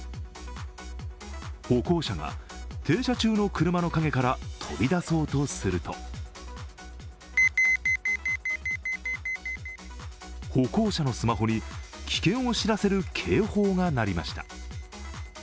歩行者が停車中の車の陰から飛び出そうとすると歩行者のスマホに危険を知らせる警報が鳴りました。